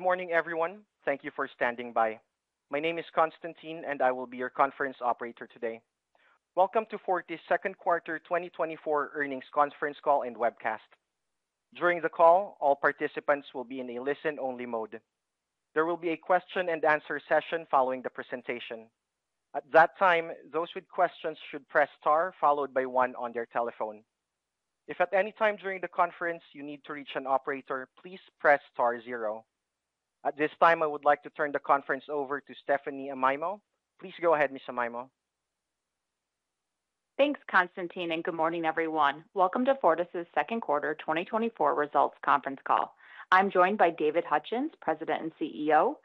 Good morning, everyone. Thank you for standing by. My name is Constantine, and I will be your conference operator today. Welcome to Fortis' 2nd Quarter 2024 Earnings Conference Call and Webcast. During the call, all participants will be in a listen-only mode. There will be a question-and-answer session following the presentation. At that time, those with questions should press star, followed by one on their telephone. If at any time during the conference you need to reach an operator, please press star zero. At this time, I would like to turn the conference over to Stephanie Amaimo. Please go ahead, Ms. Amaimo. Thanks, Constantine, and good morning, everyone. Welcome to Fortis' 2nd Quarter 2024 Results Conference Call. I'm joined by David Hutchens, President and CEO;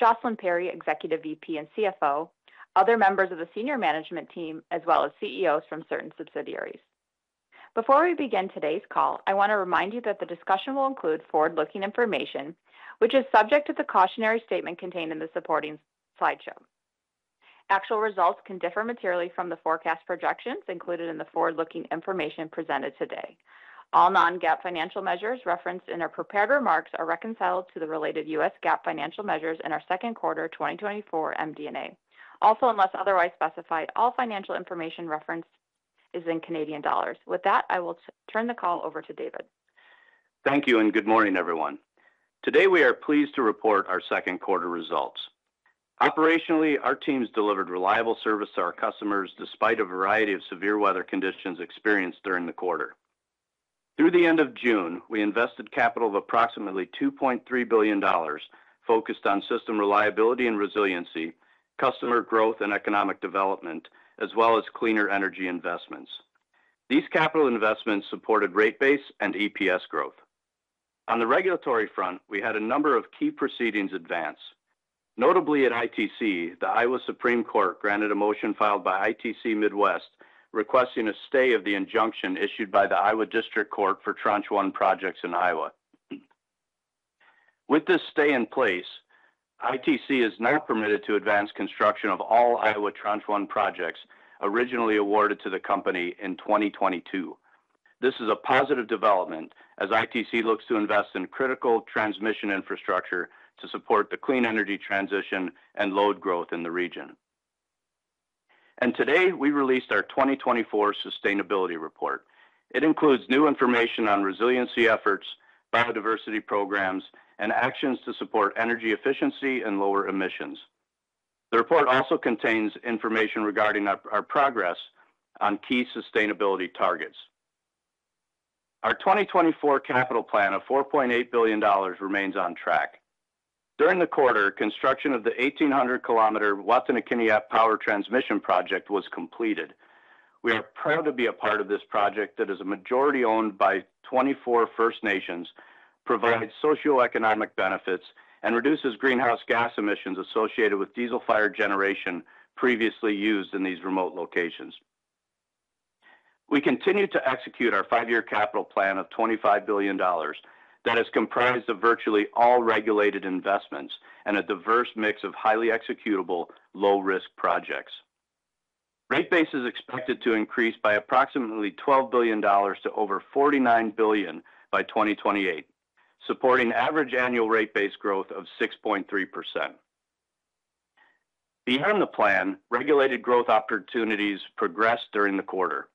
Jocelyn Perry, Executive VP and CFO, other members of the senior management team, as well as CEOs from certain subsidiaries. Before we begin today's call, I want to remind you that the discussion will include forward-looking information, which is subject to the cautionary statement contained in the supporting slideshow. Actual results can differ materially from the forecast projections included in the forward-looking information presented today. All non-GAAP financial measures referenced in our prepared remarks are reconciled to the related US GAAP financial measures in our 2nd quarter 2024 MD&A. Also, unless otherwise specified, all financial information referenced is in Canadian dollars. With that, I will turn the call over to David. Thank you, and good morning, everyone. Today, we are pleased to report our 2nd quarter results. Operationally, our teams delivered reliable service to our customers despite a variety of severe weather conditions experienced during the quarter. Through the end of June, we invested capital of approximately 2.3 billion dollars, focused on system reliability and resiliency, customer growth and economic development, as well as cleaner energy investments. These capital investments supported rate base and EPS growth. On the regulatory front, we had a number of key proceedings advance. Notably at ITC, the Iowa Supreme Court granted a motion filed by ITC Midwest, requesting a stay of the injunction issued by the Iowa District Court for Tranche 1 projects in Iowa. With this stay in place, ITC is now permitted to advance construction of all Iowa Tranche 1 projects originally awarded to the company in 2022. This is a positive development as ITC looks to invest in critical transmission infrastructure to support the clean energy transition and load growth in the region. Today, we released our 2024 sustainability report. It includes new information on resiliency efforts, biodiversity programs, and actions to support energy efficiency and lower emissions. The report also contains information regarding our progress on key sustainability targets. Our 2024 capital plan of $4.8 billion remains on track. During the quarter, construction of the 1,800-kilometer Wataynikaneyap Power Transmission Project was completed. We are proud to be a part of this project that is majority-owned by 24 First Nations, provides socioeconomic benefits, and reduces greenhouse gas emissions associated with diesel-fired generation previously used in these remote locations. We continue to execute our 5-year capital plan of 25 billion dollars that is comprised of virtually all regulated investments and a diverse mix of highly executable, low-risk projects. Rate base is expected to increase by approximately 12 billion dollars to over 49 billion by 2028, supporting average annual rate base growth of 6.3%. Beyond the plan, regulated growth opportunities progressed during the quarter.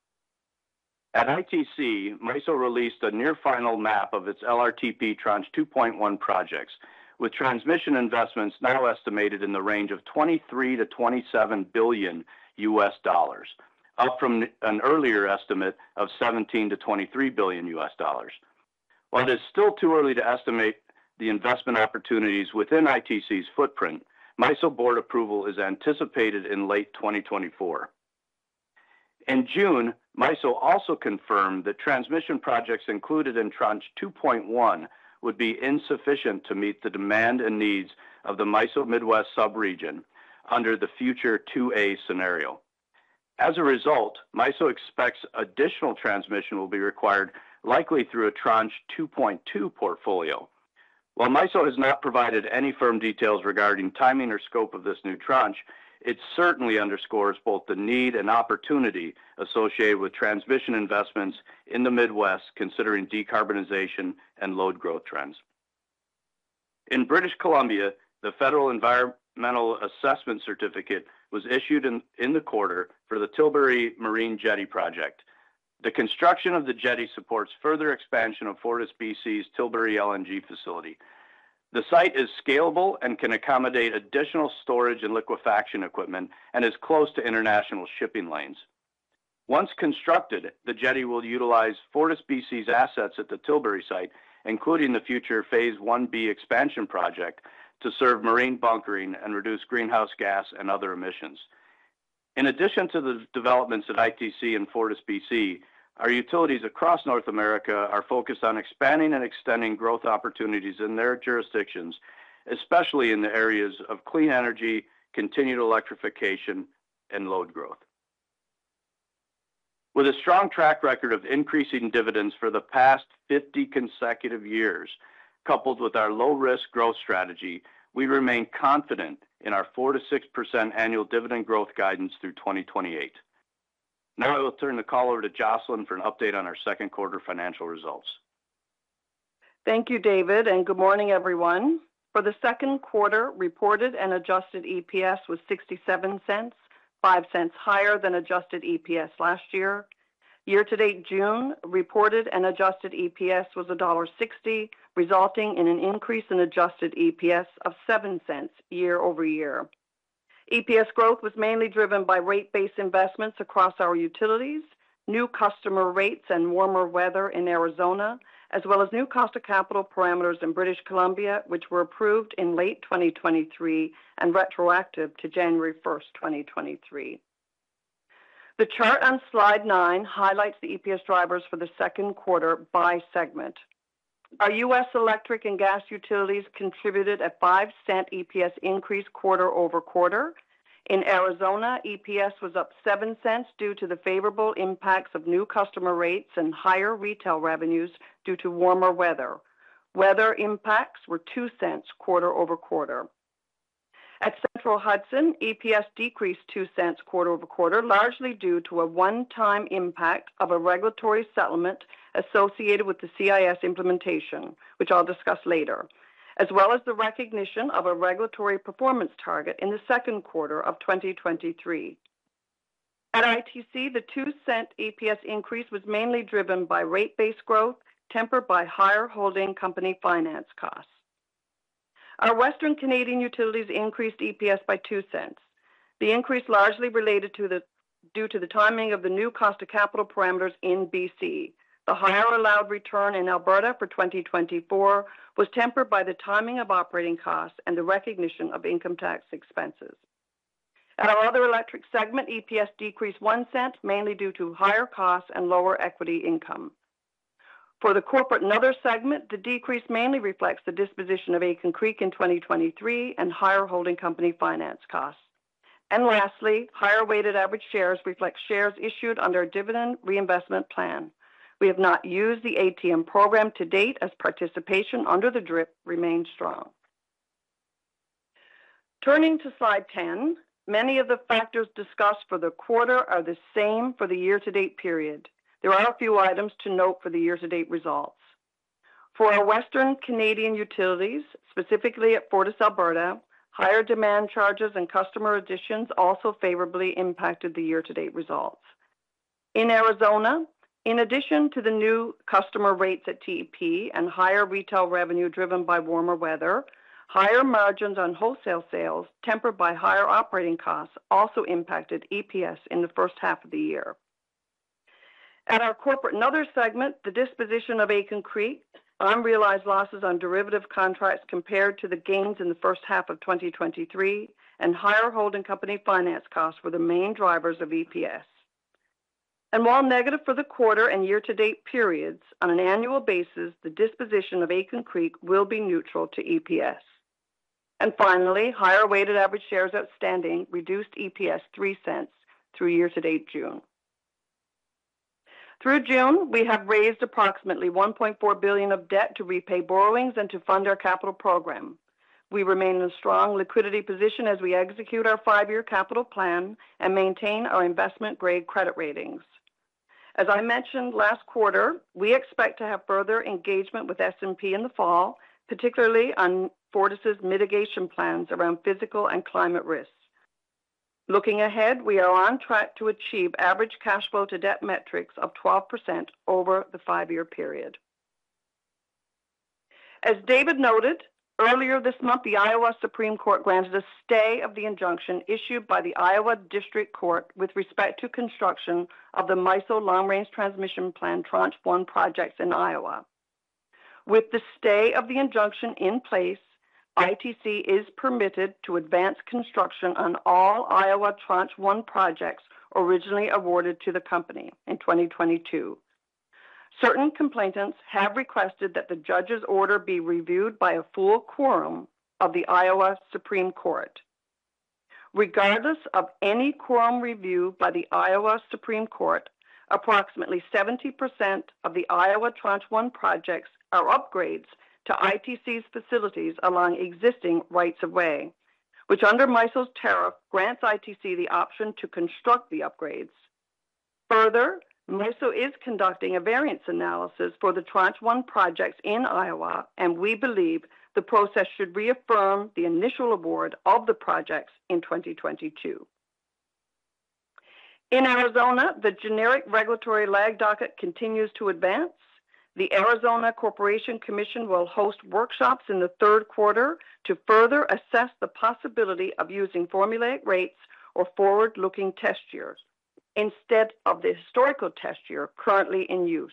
At ITC, MISO released a near final map of its LRTP Tranche 2.1 projects, with transmission investments now estimated in the range of $23 billion-$27 billion, up from an earlier estimate of $17 billion-$23 billion. While it is still too early to estimate the investment opportunities within ITC's footprint, MISO Board approval is anticipated in late 2024. In June, MISO also confirmed that transmission projects included in Tranche 2.1 would be insufficient to meet the demand and needs of the MISO Midwest sub-region under the Future 2A scenario. As a result, MISO expects additional transmission will be required, likely through a Tranche 2.2 portfolio. While MISO has not provided any firm details regarding timing or scope of this new tranche, it certainly underscores both the need and opportunity associated with transmission investments in the Midwest, considering decarbonization and load growth trends. In British Columbia, the Federal Environmental Assessment Certificate was issued in the quarter for the Tilbury Marine Jetty Project. The construction of the jetty supports further expansion of FortisBC's Tilbury LNG facility. The site is scalable and can accommodate additional storage and liquefaction equipment and is close to international shipping lanes. Once constructed, the jetty will utilize FortisBC's assets at the Tilbury site, including the future Phase 1B expansion project, to serve marine bunkering and reduce greenhouse gas and other emissions. In addition to the developments at ITC and FortisBC, our utilities across North America are focused on expanding and extending growth opportunities in their jurisdictions, especially in the areas of clean energy, continued electrification, and load growth. With a strong track record of increasing dividends for the past 50 consecutive years, coupled with our low-risk growth strategy, we remain confident in our 4%-6% annual dividend growth guidance through 2028.... Now I will turn the call over to Jocelyn for an update on our 2nd quarter financial results. Thank you, David, and good morning, everyone. For the 2nd quarter, reported and adjusted EPS was $0.67, $0.05 higher than adjusted EPS last year. Year-to-date June, reported and adjusted EPS was $1.60, resulting in an increase in adjusted EPS of $0.07 year-over-year. EPS growth was mainly driven by rate base investments across our utilities, new customer rates, and warmer weather in Arizona, as well as new cost of capital parameters in British Columbia, which were approved in late 2023 and retroactive to January 1st, 2023. The chart on slide 9 highlights the EPS drivers for the 2nd quarter by segment. Our U.S. electric and gas utilities contributed a $0.05 EPS increase quarter-over-quarter. In Arizona, EPS was up $0.07 due to the favorable impacts of new customer rates and higher retail revenues due to warmer weather. Weather impacts were $0.02 quarter-over-quarter. At Central Hudson, EPS decreased $0.02 quarter-over-quarter, largely due to a one-time impact of a regulatory settlement associated with the CIS implementation, which I'll discuss later, as well as the recognition of a regulatory performance target in the 2nd quarter of 2023. At ITC, the $0.02 EPS increase was mainly driven by rate base growth, tempered by higher holding company finance costs. Our Western Canadian utilities increased EPS by $0.02. The increase largely due to the timing of the new cost of capital parameters in BC. The higher allowed return in Alberta for 2024 was tempered by the timing of operating costs and the recognition of income tax expenses. At our other electric segment, EPS decreased $0.01, mainly due to higher costs and lower equity income. For the corporate and other segment, the decrease mainly reflects the disposition of Aitken Creek in 2023 and higher holding company finance costs. Lastly, higher weighted average shares reflect shares issued under a dividend reinvestment plan. We have not used the ATM program to date as participation under the DRIP remains strong. Turning to slide 10, many of the factors discussed for the quarter are the same for the year-to-date period. There are a few items to note for the year-to-date results. For our Western Canadian utilities, specifically at FortisAlberta, higher demand charges and customer additions also favorably impacted the year-to-date results. In Arizona, in addition to the new customer rates at TEP and higher retail revenue driven by warmer weather, higher margins on wholesale sales, tempered by higher operating costs, also impacted EPS in the 1st half of the year. At our corporate and other segment, the disposition of Aitken Creek, unrealized losses on derivative contracts compared to the gains in the 1st half of 2023, and higher holding company finance costs were the main drivers of EPS. And while negative for the quarter and year-to-date periods, on an annual basis, the disposition of Aitken Creek will be neutral to EPS. And finally, higher weighted average shares outstanding reduced EPS $0.03 through year-to-date June. Through June, we have raised approximately 1.4 billion of debt to repay borrowings and to fund our capital program. We remain in a strong liquidity position as we execute our 5-year capital plan and maintain our investment-grade credit ratings. As I mentioned last quarter, we expect to have further engagement with S&P in the fall, particularly on Fortis's mitigation plans around physical and climate risks. Looking ahead, we are on track to achieve average cash flow to debt metrics of 12% over the five-year period. As David noted, earlier this month, the Iowa Supreme Court granted a stay of the injunction issued by the Iowa District Court with respect to construction of the MISO Long Range Transmission Plan Tranche 1 projects in Iowa. With the stay of the injunction in place, ITC is permitted to advance construction on all Iowa Tranche 1 projects originally awarded to the company in 2022. Certain complainants have requested that the judge's order be reviewed by a full quorum of the Iowa Supreme Court. Regardless of any quorum review by the Iowa Supreme Court, approximately 70% of the Iowa Tranche 1 projects are upgrades to ITC's facilities along existing rights-of-way, which under MISO's tariff, grants ITC the option to construct the upgrades. Further, MISO is conducting a variance analysis for the Tranche 1 projects in Iowa, and we believe the process should reaffirm the initial award of the projects in 2022. In Arizona, the generic regulatory lag docket continues to advance. The Arizona Corporation Commission will host workshops in the 3rd quarter to further assess the possibility of using formulaic rates or forward-looking test years instead of the historical test year currently in use.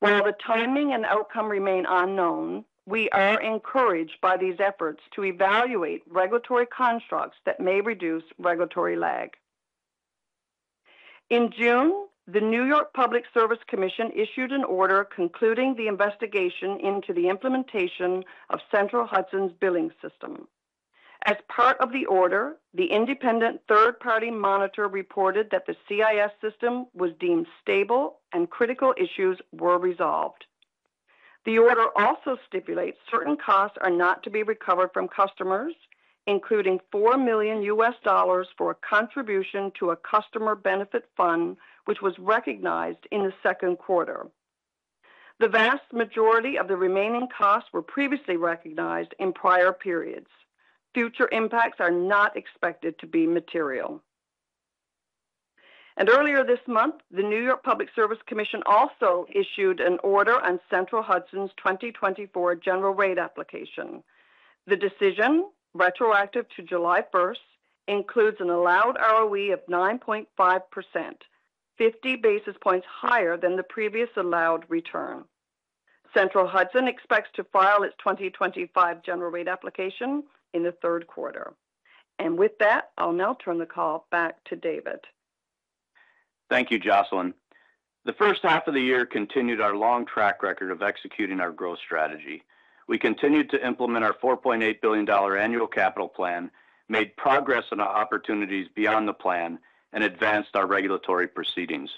While the timing and outcome remain unknown, we are encouraged by these efforts to evaluate regulatory constructs that may reduce regulatory lag. In June, the New York Public Service Commission issued an order concluding the investigation into the implementation of Central Hudson's billing system. As part of the order, the independent third-party monitor reported that the CIS system was deemed stable and critical issues were resolved. The order also stipulates certain costs are not to be recovered from customers, including $4 million for a contribution to a customer benefit fund, which was recognized in the 2nd quarter. The vast majority of the remaining costs were previously recognized in prior periods. Future impacts are not expected to be material. And earlier this month, the New York Public Service Commission also issued an order on Central Hudson's 2024 general rate application. The decision, retroactive to July 1st, includes an allowed ROE of 9.5%, 50 basis points higher than the previous allowed return. Central Hudson expects to file its 2025 general rate application in the 3rd quarter. And with that, I'll now turn the call back to David. Thank you, Jocelyn. The 1st half of the year continued our long track record of executing our growth strategy. We continued to implement our 4.8 billion dollar annual capital plan, made progress on our opportunities beyond the plan, and advanced our regulatory proceedings.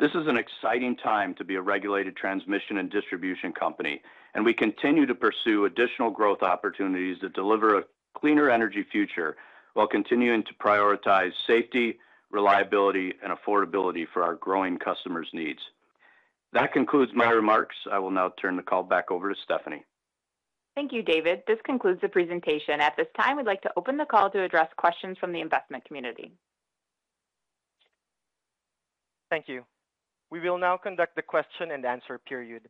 This is an exciting time to be a regulated transmission and distribution company, and we continue to pursue additional growth opportunities that deliver a cleaner energy future, while continuing to prioritize safety, reliability, and affordability for our growing customers' needs. That concludes my remarks. I will now turn the call back over to Stephanie. Thank you, David. This concludes the presentation. At this time, we'd like to open the call to address questions from the investment community. Thank you. We will now conduct the question and answer period.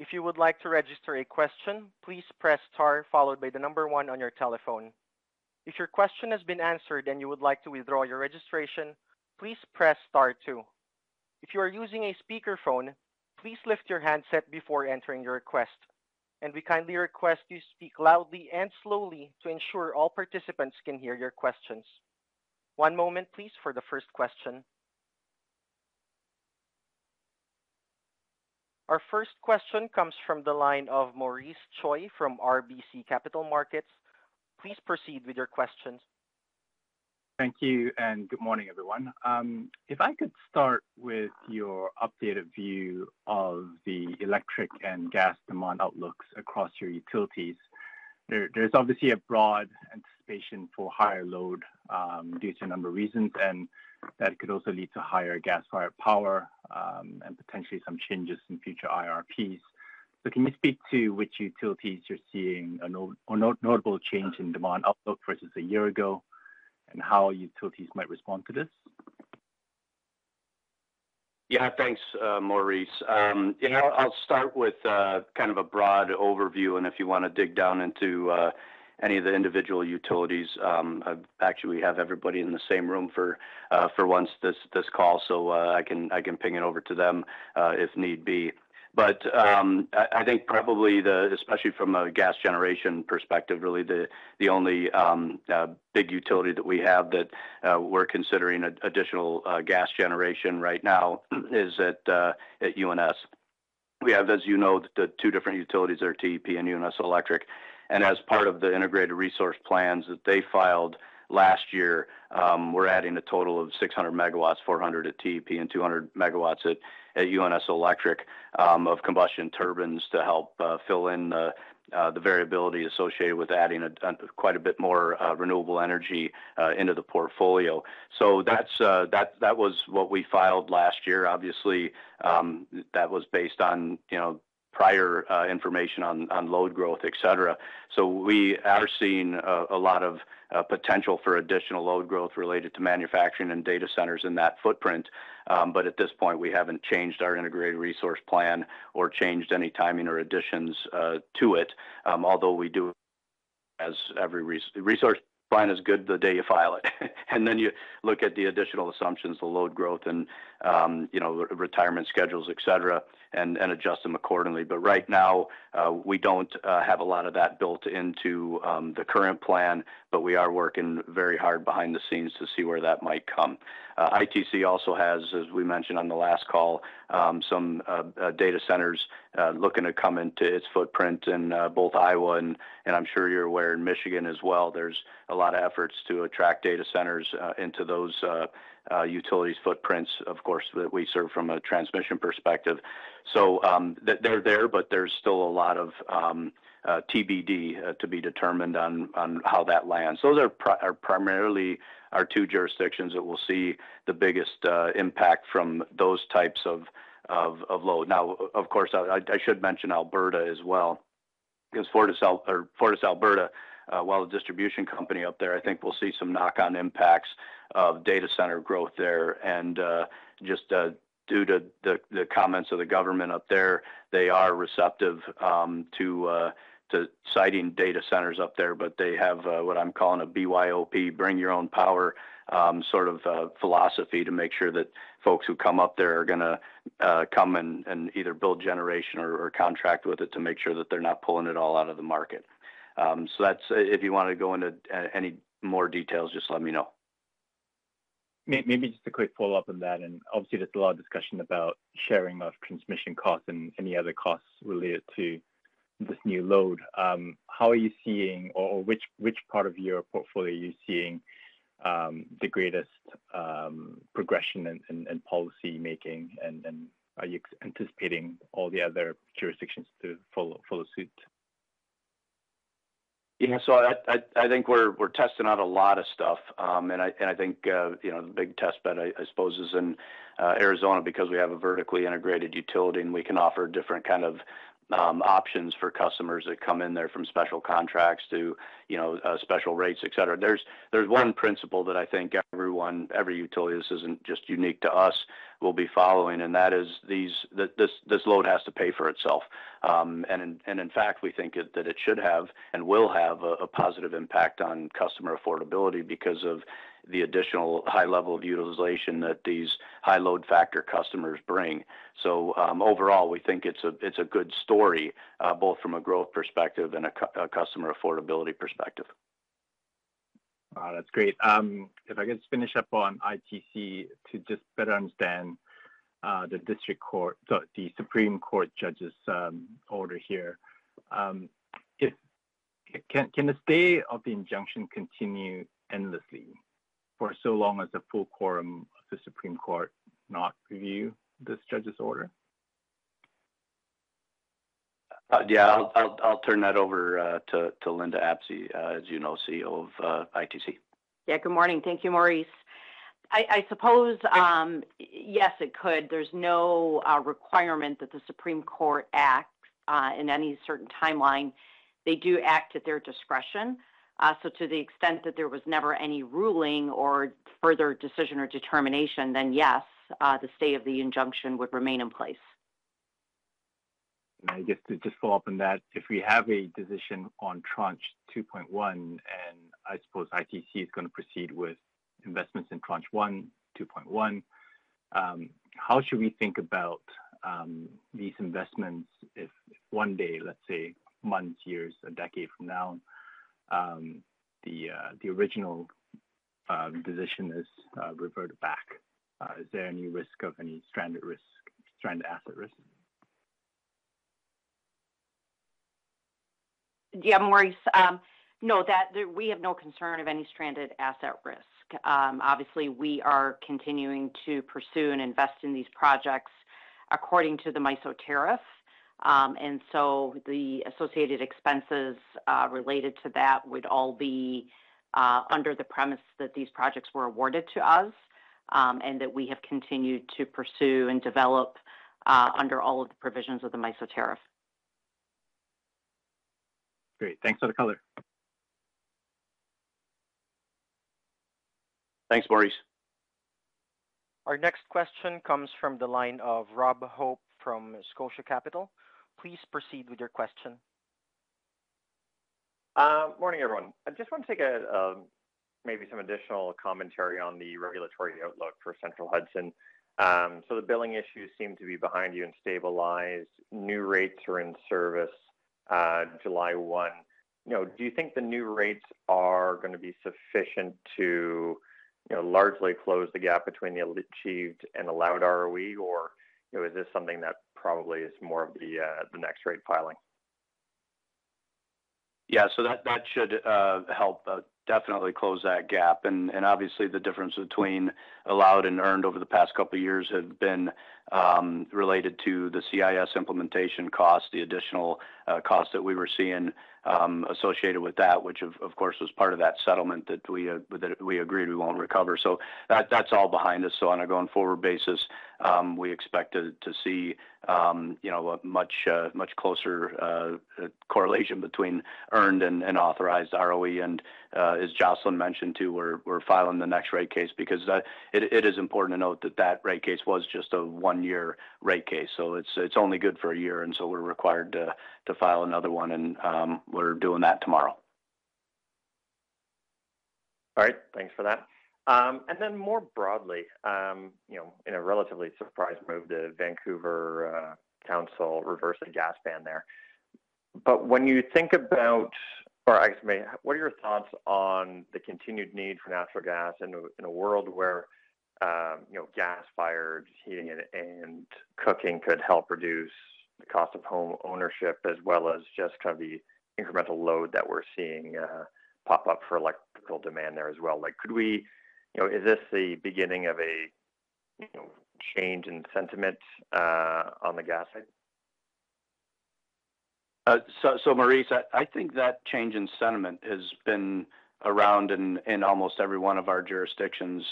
If you would like to register a question, please press star, followed by the number one on your telephone. If your question has been answered and you would like to withdraw your registration, please press star two. If you are using a speakerphone, please lift your handset before entering your request, and we kindly request you speak loudly and slowly to ensure all participants can hear your questions. One moment, please, for the first question. Our first question comes from the line of Maurice Choy from RBC Capital Markets. Please proceed with your questions. Thank you, and good morning, everyone. If I could start with your updated view of the electric and gas demand outlooks across your utilities. There's obviously a broad anticipation for higher load due to a number of reasons, and that could also lead to higher gas-fired power and potentially some changes in future IRPs. So can you speak to which utilities you're seeing a notable change in demand outlook versus a year ago, and how utilities might respond to this? Yeah, thanks, Maurice. Yeah, I'll start with kind of a broad overview, and if you want to dig down into any of the individual utilities, I actually have everybody in the same room for once, this call, so I can ping it over to them if need be. But I think probably the... especially from a gas generation perspective, really, the only big utility that we have that we're considering an additional gas generation right now is at UNS. We have, as you know, the two different utilities are TEP and UNS Electric. As part of the integrated resource plans that they filed last year, we're adding a total of 600 MW, 400 MW at TEP and 200 MW at UNS Electric, of combustion turbines to help fill in the variability associated with adding quite a bit more renewable energy into the portfolio. So that's what we filed last year. Obviously, that was based on, you know, prior information on load growth, et cetera. So we are seeing a lot of potential for additional load growth related to manufacturing and data centers in that footprint. But at this point, we haven't changed our integrated resource plan or changed any timing or additions to it. Although we do, as every resource plan is good the day you file it. And then you look at the additional assumptions, the load growth and, you know, retirement schedules, et cetera, and adjust them accordingly. But right now, we don't have a lot of that built into the current plan, but we are working very hard behind the scenes to see where that might come. ITC also has, as we mentioned on the last call, some data centers looking to come into its footprint in both Iowa and, I'm sure you're aware, in Michigan as well. There's a lot of efforts to attract data centers into those utilities footprints, of course, that we serve from a transmission perspective. So, they're there, but there's still a lot of TBD to be determined on how that lands. Those are primarily our two jurisdictions that will see the biggest impact from those types of load. Now, of course, I should mention Alberta as well, because FortisAlberta, while a distribution company up there, I think we'll see some knock-on impacts of data center growth there. Just due to the comments of the government up there, they are receptive to citing data centers up there, but they have what I'm calling a BYOP, Bring Your Own Power, sort of philosophy to make sure that folks who come up there are gonna come and either build generation or contract with it to make sure that they're not pulling it all out of the market. So that's... If you want to go into any more details, just let me know. Maybe just a quick follow-up on that, and obviously, there's a lot of discussion about sharing of transmission costs and any other costs related to this new load. How are you seeing or which part of your portfolio are you seeing the greatest progression in policy making? And are you anticipating all the other jurisdictions to follow suit? Yeah, so I think we're testing out a lot of stuff. And I think, you know, the big test bed, I suppose, is in Arizona, because we have a vertically integrated utility, and we can offer different kind of options for customers that come in there, from special contracts to, you know, special rates, et cetera. There's one principle that I think everyone, every utility, this isn't just unique to us, will be following, and that is this load has to pay for itself. And in fact, we think that it should have and will have a positive impact on customer affordability because of the additional high level of utilization that these high load factor customers bring. So, overall, we think it's a good story, both from a growth perspective and a customer affordability perspective. That's great. If I could just finish up on ITC to just better understand the District Court, the Supreme Court judge's order here. Can the stay of the injunction continue endlessly for so long as a full quorum of the Supreme Court not review this judge's order? Yeah, I'll turn that over to Linda Apsey, as you know, CEO of ITC. Yeah, good morning. Thank you, Maurice. I suppose, yes, it could. There's no requirement that the Supreme Court act in any certain timeline. They do act at their discretion. So to the extent that there was never any ruling or further decision or determination, then yes, the stay of the injunction would remain in place. I guess to just follow up on that, if we have a decision on Tranche 2.1, and I suppose ITC is gonna proceed with investments in Tranche 1, Tranche 2.1, how should we think about these investments if one day, let's say, months, years, a decade from now, the original position is reverted back? Is there any risk of any stranded risk, stranded asset risk? Yeah, Maurice, no, we have no concern of any stranded asset risk. Obviously, we are continuing to pursue and invest in these projects according to the MISO tariff. And so the associated expenses related to that would all be under the premise that these projects were awarded to us, and that we have continued to pursue and develop under all of the provisions of the MISO tariff. Great. Thanks for the color. Thanks, Maurice. Our next question comes from the line of Rob Hope from Scotia Capital. Please proceed with your question. Morning, everyone. I just want to take a, maybe some additional commentary on the regulatory outlook for Central Hudson. So the billing issues seem to be behind you and stabilized. New rates are in service, July 1st. You know, do you think the new rates are gonna be sufficient to, you know, largely close the gap between the achieved and allowed ROE? Or, you know, is this something that probably is more of the, the next rate filing? Yeah, so that should help definitely close that gap. And obviously, the difference between allowed and earned over the past couple of years has been related to the CIS implementation cost, the additional costs that we were seeing associated with that, which, of course, was part of that settlement that we agreed we won't recover. So that's all behind us. So on a going-forward basis, we expect to see, you know, a much closer correlation between earned and authorized ROE. And as Jocelyn mentioned, too, we're filing the next rate case because that... It is important to note that rate case was just a one-year rate case, so it's only good for a year, and so we're required to file another one, and we're doing that tomorrow. All right, thanks for that. And then more broadly, you know, in a relatively surprising move, the Vancouver council reversed the gas ban there. But when you think about, or I guess, maybe, what are your thoughts on the continued need for natural gas in a world where, you know, gas-fired heating and cooking could help reduce the cost of homeownership, as well as just kind of the incremental load that we're seeing pop up for electrical demand there as well? Like, could we, you know, is this the beginning of a change in sentiment on the gas side? So, Maurice, I think that change in sentiment has been around in almost every one of our jurisdictions,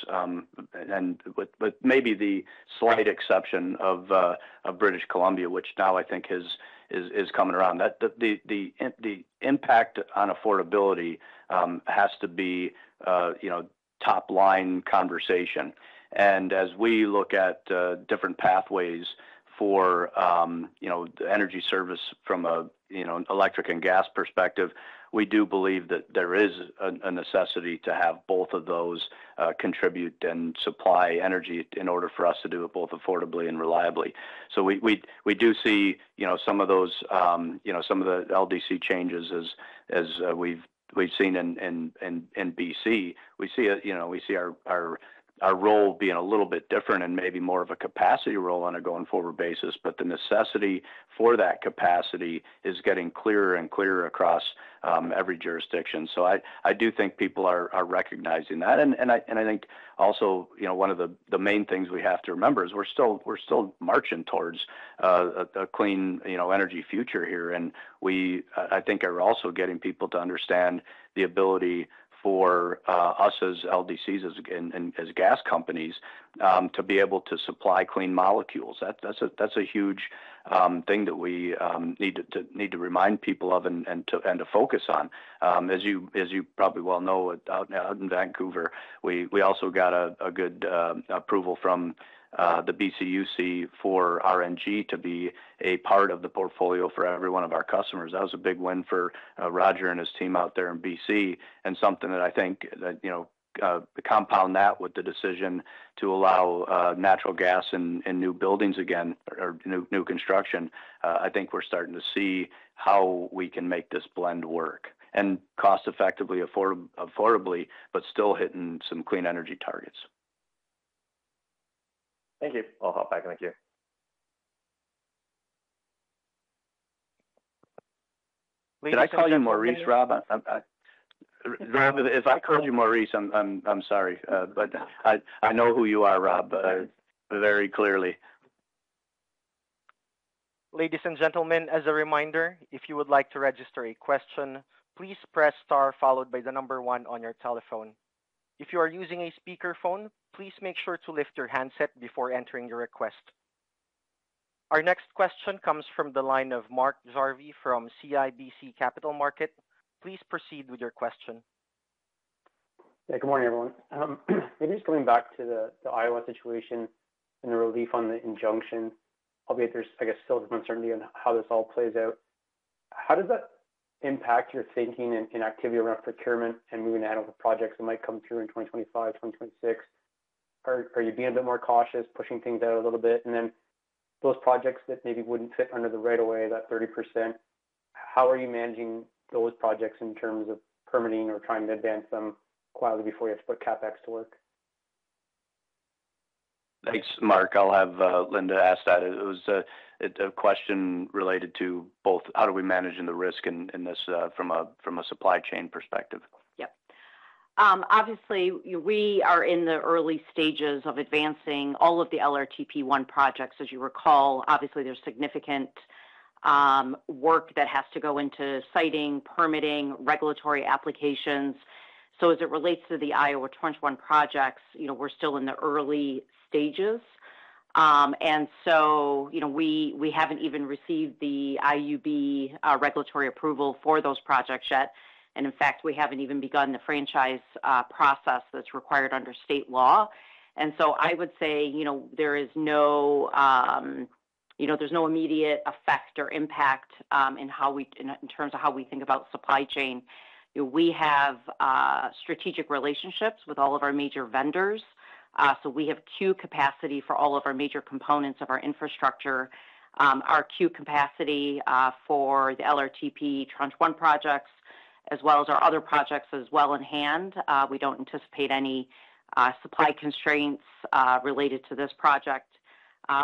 and with maybe the slight exception of British Columbia, which now I think is coming around. The impact on affordability has to be, you know, top-line conversation. And as we look at different pathways for, you know, the energy service from a, you know, electric and gas perspective, we do believe that there is a necessity to have both of those contribute and supply energy in order for us to do it both affordably and reliably. So we do see, you know, some of those, you know, some of the LDC changes as we've seen in BC. We see it, you know, we see our role being a little bit different and maybe more of a capacity role on a going-forward basis, but the necessity for that capacity is getting clearer and clearer across every jurisdiction. So I do think people are recognizing that. And I think also, you know, one of the main things we have to remember is we're still marching towards a clean energy future here. And we I think are also getting people to understand the ability for us as LDCs and as gas companies to be able to supply clean molecules. That's a huge thing that we need to remind people of and to focus on. As you probably well know, out in Vancouver, we also got a good approval from the BCUC for RNG to be a part of the portfolio for every one of our customers. That was a big win for Roger and his team out there in BC, and something that I think that, you know, compound that with the decision to allow natural gas in new buildings again or new construction. I think we're starting to see how we can make this blend work, and cost effectively, affordably, but still hitting some clean energy targets. Thank you. I'll hop back in the queue. Did I call you Maurice, Rob? Rob, if I called you Maurice, I'm sorry, but I know who you are, Rob, very clearly. Ladies and gentlemen, as a reminder, if you would like to register a question, please press star followed by the number one on your telephone. If you are using a speakerphone, please make sure to lift your handset before entering your request. Our next question comes from the line of Mark Jarvi from CIBC Capital Markets. Please proceed with your question. Yeah, good morning, everyone. Maybe just going back to the Iowa situation and the relief on the injunction. Obviously, there's, I guess, still some uncertainty on how this all plays out. How does that impact your thinking and activity around procurement and moving ahead over projects that might come through in 2025, 2026? Are you being a bit more cautious, pushing things out a little bit? And then those projects that maybe wouldn't fit under the right of way, that 30%, how are you managing those projects in terms of permitting or trying to advance them quietly before you have to put CapEx to work? Thanks, Mark. I'll have Linda ask that. It was a question related to both how we are managing the risk in this from a supply chain perspective. Yep. Obviously, we are in the early stages of advancing all of the LRTP 1 projects. As you recall, obviously, there's significant work that has to go into siting, permitting, regulatory applications. So as it relates to the Iowa Tranche 1 projects, you know, we're still in the early stages. And so, you know, we, we haven't even received the IUB regulatory approval for those projects yet, and in fact, we haven't even begun the franchise process that's required under state law. And so I would say, you know, there is no, you know, there's no immediate effect or impact in how we connect in terms of how we think about supply chain. We have strategic relationships with all of our major vendors. So we have queue capacity for all of our major components of our infrastructure. Our queue capacity for the LRTP Tranche 1 projects, as well as our other projects as well in hand. We don't anticipate any supply constraints related to this project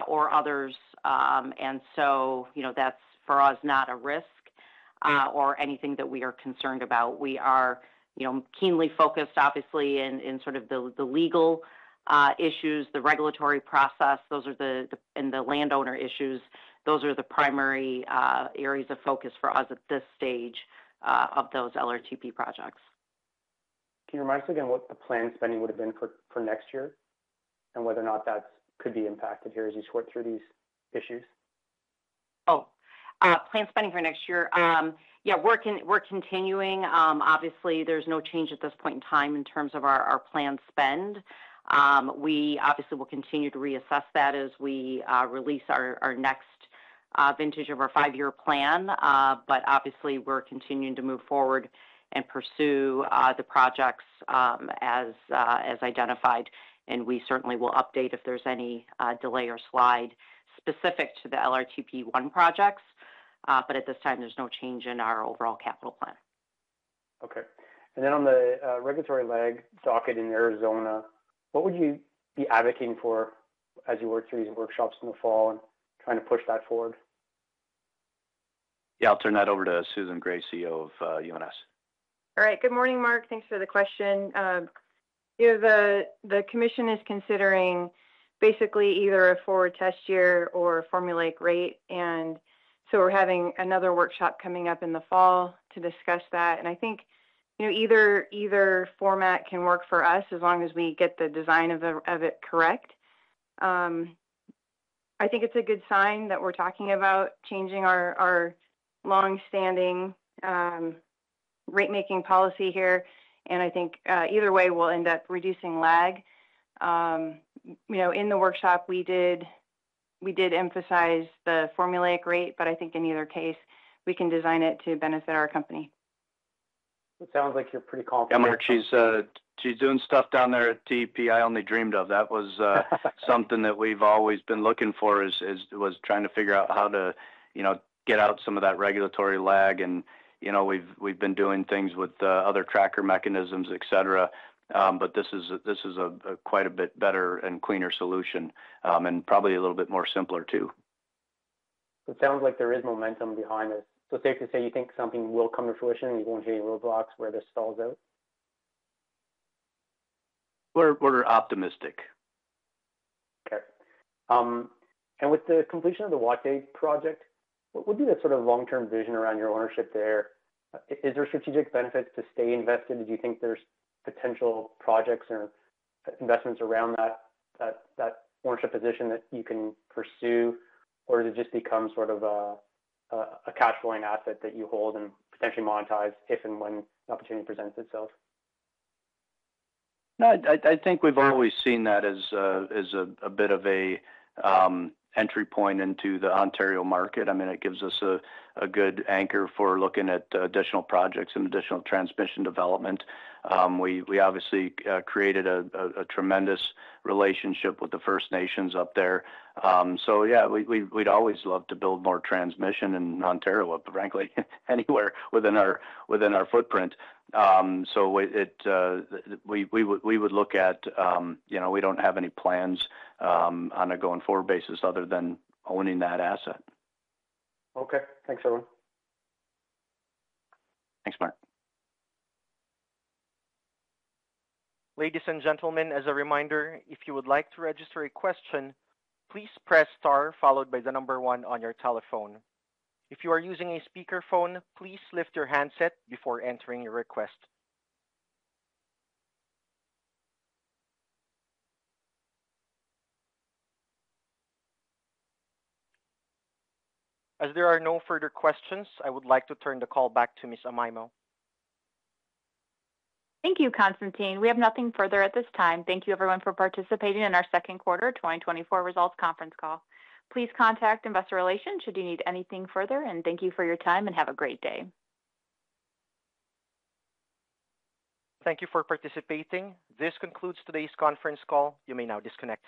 or others. And so, you know, that's, for us, not a risk or anything that we are concerned about. We are, you know, keenly focused, obviously, in sort of the legal issues, the regulatory process, those are the and the landowner issues. Those are the primary areas of focus for us at this stage of those LRTP projects. Can you remind us again what the planned spending would have been for next year? Whether or not that could be impacted here as you sort through these issues? Planned spending for next year. Yeah, we're continuing. Obviously, there's no change at this point in time in terms of our planned spend. We obviously will continue to reassess that as we release our next vintage of our five-year plan. But obviously, we're continuing to move forward and pursue the projects as identified, and we certainly will update if there's any delay or slide specific to the LRTP-1 projects. But at this time, there's no change in our overall capital plan. Okay. And then on the regulatory lag docket in Arizona, what would you be advocating for as you work through these workshops in the fall and trying to push that forward? Yeah, I'll turn that over to Susan Gray, CEO of UNS. All right. Good morning, Mark. Thanks for the question. You know, the commission is considering basically either a forward test year or a formulaic rate, and so we're having another workshop coming up in the fall to discuss that. And I think, you know, either format can work for us as long as we get the design of it correct. I think it's a good sign that we're talking about changing our long-standing rate making policy here, and I think, either way, we'll end up reducing lag. You know, in the workshop we did, we did emphasize the formulaic rate, but I think in either case, we can design it to benefit our company. It sounds like you're pretty confident- Yeah, Mark, she's doing stuff down there at TEP I only dreamed of. That was something that we've always been looking for was trying to figure out how to, you know, get out some of that regulatory lag. And, you know, we've been doing things with other tracker mechanisms, et cetera. But this is quite a bit better and cleaner solution, and probably a little bit more simpler too. It sounds like there is momentum behind this. So safe to say you think something will come to fruition, and you won't hit any roadblocks where this stalls out? We're optimistic. Okay. And with the completion of the Wataynikaneyap project, what would be the sort of long-term vision around your ownership there? Is there strategic benefits to stay invested? Do you think there's potential projects or investments around that ownership position that you can pursue? Or does it just become sort of a cash flowing asset that you hold and potentially monetize if and when the opportunity presents itself? No, I think we've always seen that as a bit of a entry point into the Ontario market. I mean, it gives us a good anchor for looking at additional projects and additional transmission development. We obviously created a tremendous relationship with the First Nations up there. So yeah, we'd always love to build more transmission in Ontario, but frankly, anywhere within our footprint. So it... We would look at, you know, we don't have any plans on a going-forward basis other than owning that asset. Okay. Thanks, David. Thanks, Mark. Ladies and gentlemen, as a reminder, if you would like to register a question, please press star followed by the number one on your telephone. If you are using a speakerphone, please lift your handset before entering your request. As there are no further questions, I would like to turn the call back to Ms. Amaimo. Thank you, Constantine. We have nothing further at this time. Thank you, everyone, for participating in our 2nd quarter 2024 results conference call. Please contact Investor Relations should you need anything further, and thank you for your time and have a great day. Thank you for participating. This concludes today's conference call. You may now disconnect.